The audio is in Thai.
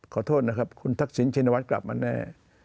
ขอโทษนะครับคุณทักษิณชินวัฒน์กลับมาแน่